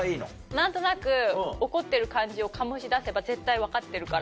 何となく怒ってる感じを醸し出せば絶対分かってるから。